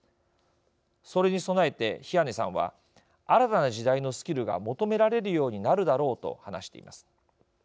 それに備えて、比屋根さんは新たな時代のスキルが求められるようになるだろうと話しています。